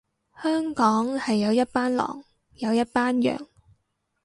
香港係有一班狼，有一班羊